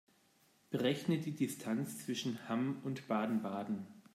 Berechne die Distanz zwischen Hamm und Baden-Baden